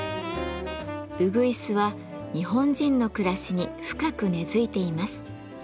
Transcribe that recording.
うぐいすは日本人の暮らしに深く根づいています。